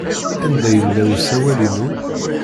Anda yella usawal-inu?